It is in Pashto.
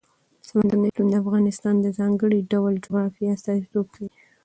سمندر نه شتون د افغانستان د ځانګړي ډول جغرافیه استازیتوب کوي.